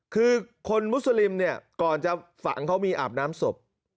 คือคนมุสลิมเนี่ยก่อนจะฝังเขามีอาบน้ำศพ